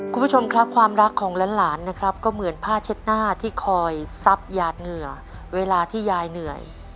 คุณผู้ชมครับความรักของหลานนะครับก็เหมือนผ้าเช็ดหน้าที่คอยซับหยาดเหงื่อเวลาที่ยายเหนื่อย